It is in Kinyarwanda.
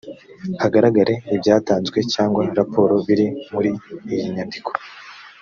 hagaragare ibyatanzwe cyangwa raporo biri muri iyi nyandiko